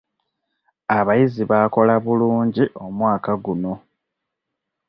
Abayizi baakola bulungi omwaka guno.